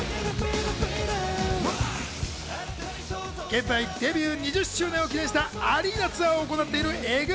現在、デビュー２０周年を記念したアリーナツアーを行っているＥＸＩＬＥ。